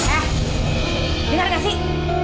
eh dengar gak sih